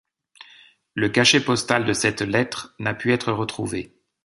Le cachet postal de cette lettre n'a pu être retrouvé.